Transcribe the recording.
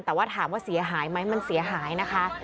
แต่ว่าถามว่าเสียหายไหมมันเสียหายนะคะ